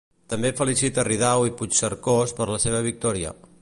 També felicita Ridao i Puigcercós per la seva victòria.